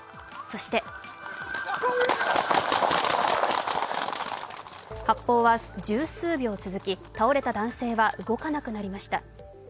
そして発砲は十数秒続き、倒れた男性は動かなくなりました。